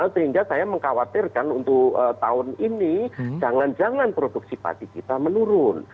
sehingga saya mengkhawatirkan untuk tahun ini jangan jangan produksi padi kita menurun